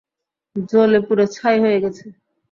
জ্বলেপুড়ে ছাই হয়ে গেছে।